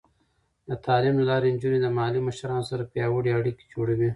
د تعلیم له لارې، نجونې د محلي مشرانو سره پیاوړې اړیکې جوړوي.